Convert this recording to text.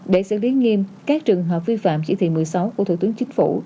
để xử lý nghiêm các trường hợp vi phạm chỉ thị một mươi sáu của thủ tướng chính phủ